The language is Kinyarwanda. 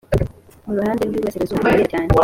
muruhande rw’ iburasirazuba harera cyane.